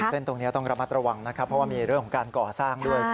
ตรงนี้ต้องระมัดระวังนะครับเพราะว่ามีเรื่องของการก่อสร้างด้วย